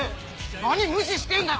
何無視してんだよ。